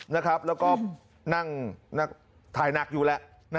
แล้วก็นั่งถ่ายหนักอยู่แล้ว